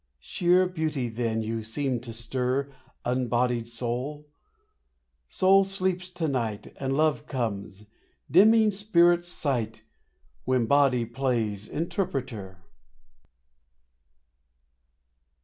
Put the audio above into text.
Sheer beauty, then you seemed to stir Unbodied soul; soul sleeps to night, And love comes, dimming spirit's sight, When body plays interpreter.